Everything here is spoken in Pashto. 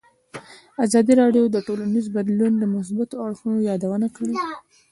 ازادي راډیو د ټولنیز بدلون د مثبتو اړخونو یادونه کړې.